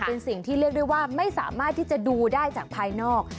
เป็นสิ่งที่เรียกได้ว่าไม่สามารถที่จะดูได้จากภายนอก